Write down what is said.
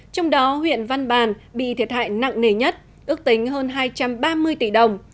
trong đó huyện văn bàn bị thiệt hại nặng nề nhất ước tính hơn hai trăm ba mươi tỷ đồng